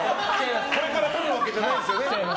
これから撮るわけじゃないですね。